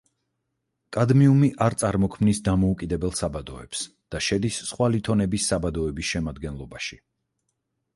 კადმიუმი არ წარმოქმნის დამოუკიდებელ საბადოებს, და შედის სხვა ლითონების საბადოების შემადგენლობაში.